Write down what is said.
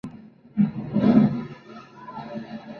Las primeras las realiza al Oeste Francia, en la redacción del Mans.